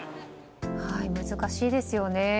難しいですよね。